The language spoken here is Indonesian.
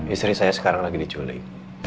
istri saya sekarang lagi diculik